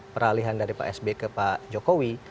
peralihan dari pak sby ke pak jokowi